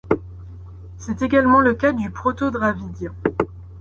C'est également le cas du proto-dravidien.